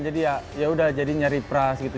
jadi ya udah jadi nyari pras gitu